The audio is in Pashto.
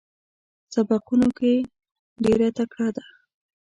په سبقونو کې ډېره تکړه ده.